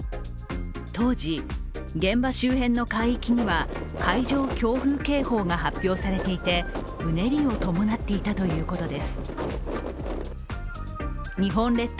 当時、現場周辺の海域には海上強風警報が発表されていてうねりを伴っていたということです。